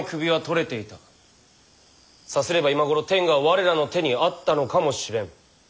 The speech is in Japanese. さすれば今頃天下は我らの手にあったのかもしれん。